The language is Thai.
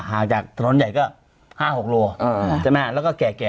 หากจากถนนใหญ่ก็๕๖โลเมตรแล้วก็แก่